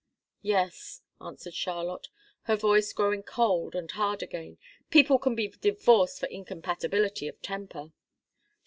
"Yes," answered Charlotte, her voice growing cold and hard again. "People can be divorced for incompatibility of temper."